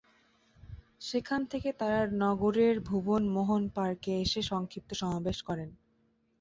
সেখান থেকে তাঁরা নগরের ভুবন মোহন পার্কে এসে সংক্ষিপ্ত সমাবেশ করেন।